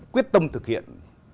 quyết tâm thực hiện